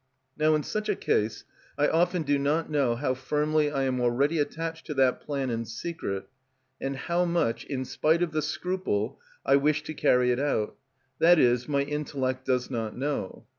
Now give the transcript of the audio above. Now in such a case I often do not know how firmly I am already attached to that plan in secret, and how much, in spite of the scruple, I wish to carry it out: that is, my intellect does not know.